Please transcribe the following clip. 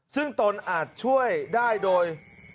ซึ่งตนอาจช่วยได้โดย